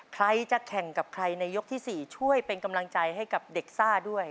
ใครจะแข่งกับใครในยกที่๔ช่วยเป็นกำลังใจให้กับเด็กซ่าด้วย